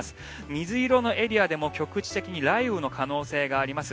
水色のエリアでも局地的に雷雨の可能性があります。